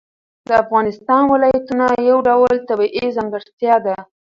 د افغانستان ولایتونه یو ډول طبیعي ځانګړتیا ده.